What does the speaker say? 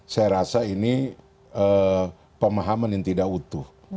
saya rasa ini pemahaman yang tidak utuh